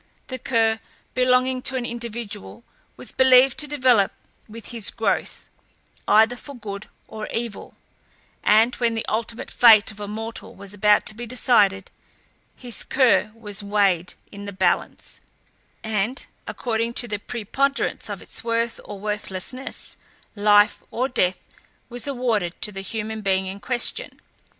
The Ker belonging to an individual was believed to develop with his growth, either for good or evil; and when the ultimate fate of a mortal was about to be decided, his Ker was weighed in the balance, and, according to the preponderance of its worth or worthlessness, life or death was awarded to the human being in question.